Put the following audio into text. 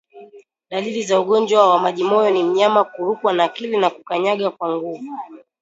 Dalili za ugonjwa wa majimoyo ni mnyama kurukwa na akili na kukanyaga kwa nguvu